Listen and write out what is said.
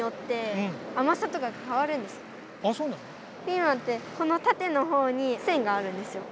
ピーマンってこのたてのほうに線があるんですよ。